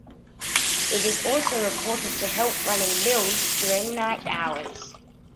It is also reported to help running mills during night hours.